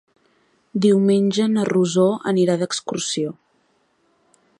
Diumenge na Rosó anirà d'excursió.